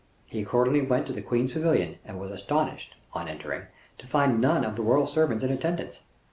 He accordingly went to the queen's pavilion, and was astonished, on entering, to find none of the royal servants in attendance.